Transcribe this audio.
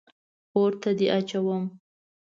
اور ته دې اچوم.